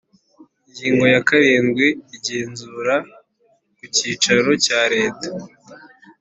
Ingingo ya karindwi Igenzura ku cyicaro cya leta